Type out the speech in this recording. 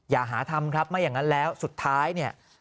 อย่าหาทำครับไม่อย่างนั้นแล้วสุดท้ายเนี่ย